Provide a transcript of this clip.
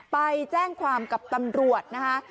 ไปแจ้งความกับตำรวจนะคะ